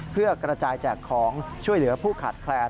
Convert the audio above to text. เพื่อกระจายแจกของช่วยเหลือผู้ขาดแคลน